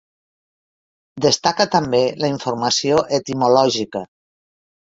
Destaca també la informació etimològica.